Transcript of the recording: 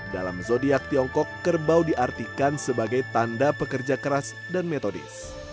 dalam zodiac tiongkok kerbau diartikan sebagai tanda pekerja keras dan metodis